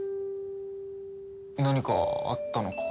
何かあったのか？